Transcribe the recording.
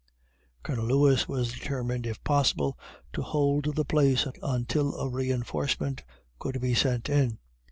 Colonel Lewis was determined, if possible, to hold the place until a reinforcement could be sent on.